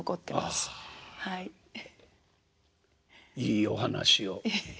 いいお話を。